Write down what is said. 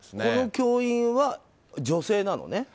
この教員は女性なのね？